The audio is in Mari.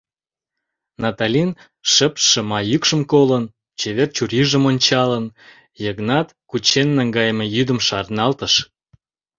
Наталин шып-шыма йӱкшым колын, чевер чурийжым ончалын, Йыгнат кучен наҥгайыме йӱдым шарналтыш.